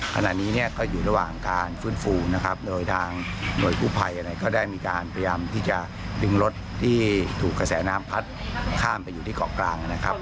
ขณะนี้เนี่ยก็อยู่ระหว่างการฟื้นฟูนะครับโดยทางหน่วยกู้ภัยก็ได้มีการพยายามที่จะดึงรถที่ถูกกระแสน้ำพัดข้ามไปอยู่ที่เกาะกลางนะครับ